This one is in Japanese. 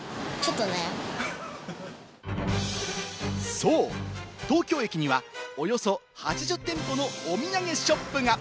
そう、東京駅にはおよそ８０店舗のお土産ショップが。